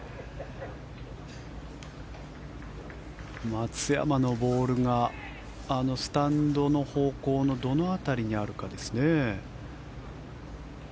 松山のボールがスタンドの方向のどの辺りにあるかですね。